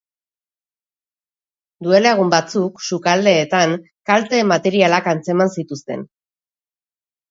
Duela egun batzuk, sukaldeetan kalte materialak antzeman zituzten.